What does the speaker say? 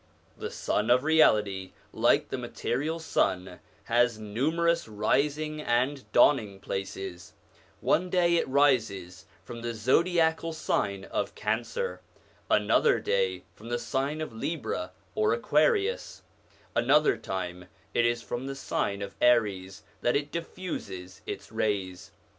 The Sun of Reality, like the material sun, has numerous rising and dawn ing places : one day it rises from the zodiacal sign of Cancer, another day from the sign of Libra or Aquarius, another time it is from the sign of Aries that it diffuses its rays.